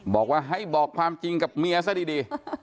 บอกว่าให้บอกความจริงกับเมียซะดี